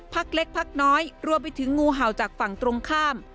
พักเล็กพักน้อยรวมไปถึงงูเห่าจากฝั่งตรงข้าม